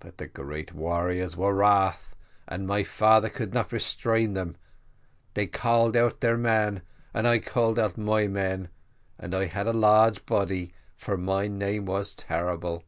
"But all the great warriors were wroth, and my father could not restrain them. They called out their men, and I called out my men, and I had a large body, for my name was terrible.